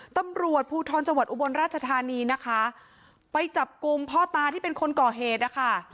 ตำรวจภูทรจังหวัดอุบลราชธานีนะคะไปจับกลุ่มพ่อตาที่เป็นคนก่อเหตุนะคะ